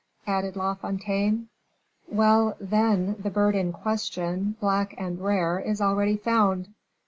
added La Fontaine; "well, then, the bird in question, black and rare, is already found."